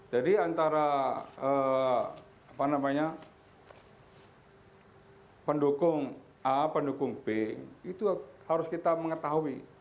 jadi antara pendukung a pendukung b itu harus kita mengetahui